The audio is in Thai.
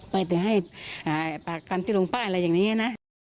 ไปแต่ให้การจิ้นลงป้านอะไรอย่างนี้นะ